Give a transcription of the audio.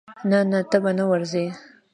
نه نه ته به نه ورزې.